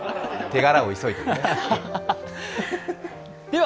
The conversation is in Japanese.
手柄を急いでる。